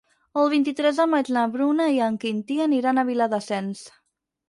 El vint-i-tres de maig na Bruna i en Quintí aniran a Viladasens.